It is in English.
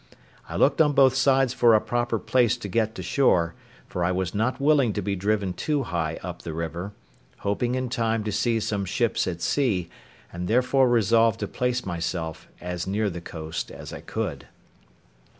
I looked on both sides for a proper place to get to shore, for I was not willing to be driven too high up the river: hoping in time to see some ships at sea, and therefore resolved to place myself as near the coast as I could.